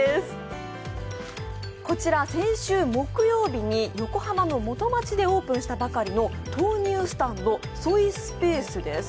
こちら先週木曜日に横浜の元町でオープンしたばかりの豆乳スタンド・ソイスペースです。